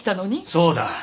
そうだ！